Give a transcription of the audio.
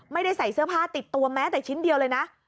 ไม่ได้ใส่เสื้อผ้าติดตัวแม้แต่ชิ้นเดียวเลยนะ